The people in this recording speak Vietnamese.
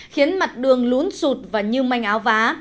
khiến mặt đường lún sụt và như manh áo vá